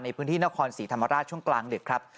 ในพื้นที่นครศรีธรรมราชช่วงกลางดึกครับ